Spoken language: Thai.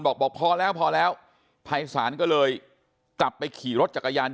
บอกพอแล้วพอแล้วไภศาลก็เลยกลับไปขี่รถจักรยานยนต์